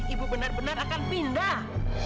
ibu benar benar akan pindah